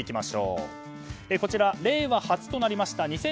こちら、令和初となりました